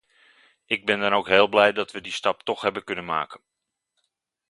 Ik ben dan ook heel blij dat we die stap toch hebben kunnen maken.